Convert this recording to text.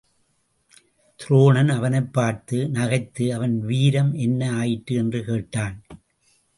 துரோணன் அவனைப்பார்த்து நகைத்து அவன் வீரம் என்ன ஆயிற்று என்று கேட்டான்.